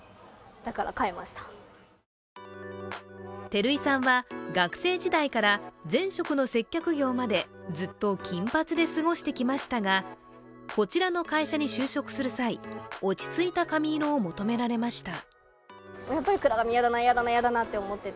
照井さんは学生時代から前職の接客業までずっと金髪で過ごしてきましたがこちらの会社に就職する際、落ち着いた髪色を求められました。